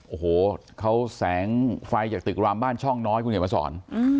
โอ้โหเขาแสงไฟจากตึกรามบ้านช่องน้อยคุณเขียนมาสอน